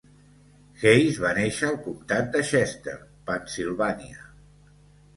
Hayes va néixer al comtat de Chester, Pennsilvània.